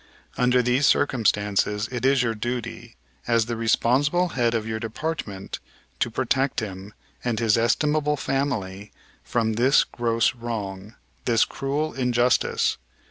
Under these circumstances it is your duty, as the responsible head of your department, to protect him and his estimable family from this gross wrong, this cruel injustice.